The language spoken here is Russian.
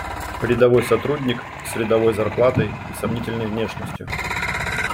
Рядовой сотрудник с рядовой зарплатой и сомнительной внешностью.